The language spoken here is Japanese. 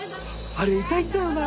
あれ痛いんだよな。